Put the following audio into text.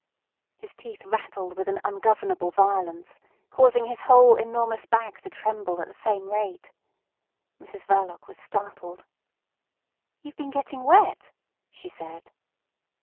His teeth rattled with an ungovernable violence, causing his whole enormous back to tremble at the same rate. Mrs Verloc was startled. "You've been getting wet," she said.